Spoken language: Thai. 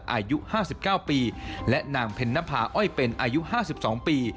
อายุห้าสิบเก้าปีและนางเพล็นพาอ้อยเป็นอายุห้าสิบสองปี